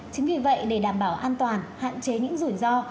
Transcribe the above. chính vì vậy để đảm bảo an toàn hạn chế những rủi ro